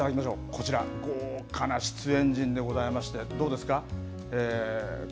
こちら、豪華な出演陣でございまして、どうですか？